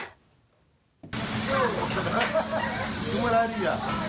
นี่เวลาดี